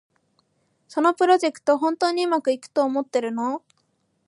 そのプロジェクト、本当にうまくいくと思ってるの？